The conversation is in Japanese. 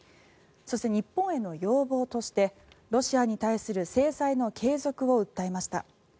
そして、日本への要望としてロシアに対する制裁の継続を訴えました。